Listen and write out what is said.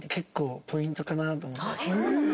そうなの？